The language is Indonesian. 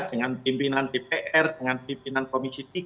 dengan pimpinan dpr dengan pimpinan komisi tiga